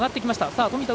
さあ富田